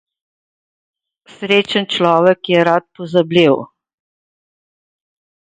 Srečen človek je rad pozabljiv.